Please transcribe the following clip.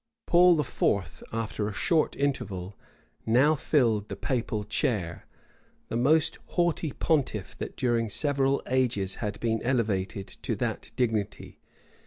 [] Paul IV., after a short interval, now filled the papal chair; the most haughty pontiff that during several ages had been elevated to that dignity.